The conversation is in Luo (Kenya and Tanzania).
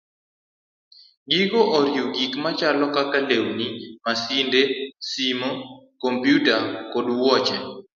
Gigo oriwo gik machalo kaka lewni, masinde, simo, kompyuta, kod wuoche.